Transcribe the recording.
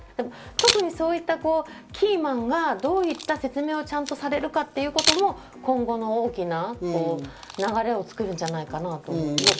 特にそういったキーマンがどういった説明をちゃんとされるかということも、今後の大きな流れを作るんじゃないかなぁと思います。